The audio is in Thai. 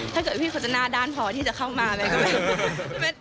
ถ้าเกิดพี่เขาจะน่าด้านพอที่จะเข้ามาแม่ก็แบบ